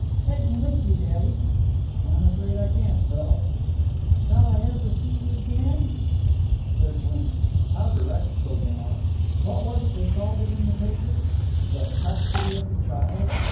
"Take me with you, daddy." "I'm afraid I can't, Bill." "Shan't I ever see you again?" Kirk winced. How direct children are! What was it they called it in the papers? "The custody of the child."